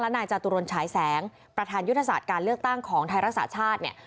นายจตุรนฉายแสงประธานยุทธศาสตร์การเลือกตั้งของไทยรักษาชาติเนี่ย